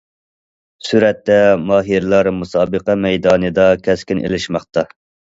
سۈرەتتە ماھىرلار مۇسابىقە مەيدانىدا كەسكىن ئېلىشماقتا.